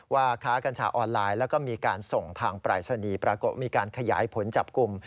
ค้ากัญชาออนไลน์แล้วก็มีการส่งทางปรายศนีย์ปรากฏมีการขยายผลจับกลุ่ม